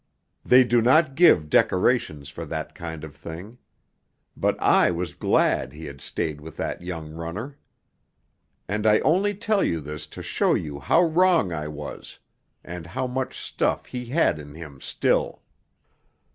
They do not give decorations for that kind of thing. But I was glad he had stayed with that young runner. And I only tell you this to show you how wrong I was, and how much stuff he had in him still.